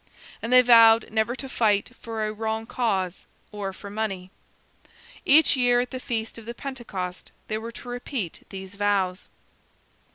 And they vowed never to fight for a wrong cause or for money. Each year at the feast of the Pentecost they were to repeat these vows.